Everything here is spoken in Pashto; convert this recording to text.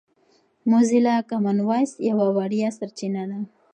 موزیلا کامن وایس یوه وړیا سرچینه ده.